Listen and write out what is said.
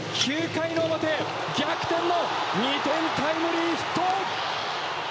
９回の表逆転の２点タイムリーヒット！